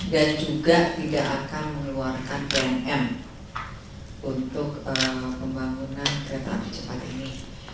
dan juga tidak akan mengeluarkan bnm untuk pembangunan kereta cepat ini